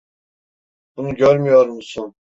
Bunu görmüyor musun?